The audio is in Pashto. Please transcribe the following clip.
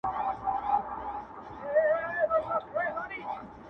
o خپل عمل، د لاري مل دئ.